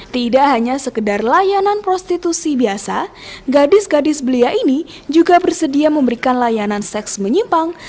tidak hanya sekedar layanan prostitusi biasa gadis gadis belia ini juga bersedia memberikan layanan seks menyimpang